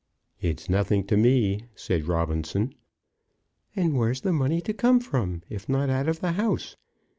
"It's nothing to me," said Robinson. "And where's the money to come from, if not out of the house?